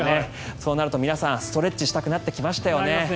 そうなると皆さんストレッチしたくなってきますよね。